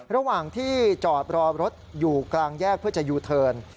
ระหว่างที่จอดรอรถอยู่กลางแยกเพื่อจะยูเทิร์น